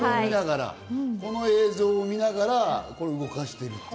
この映像を見ながら動かしていると。